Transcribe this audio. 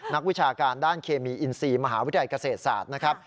นักวิชาการด้านเคมีอินทรีย์มหาวิทยาศาสตร์